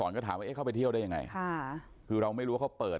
ตอนนี้กำลังจะโดดเนี่ยตอนนี้กำลังจะโดดเนี่ย